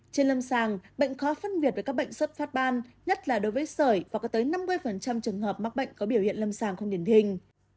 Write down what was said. trên lâm sàng bệnh khó phân biệt với các bệnh xuất phát ban nhất là đối với sởi và có tới năm mươi trường hợp mắc bệnh có biểu hiện lâm sàng không điển hình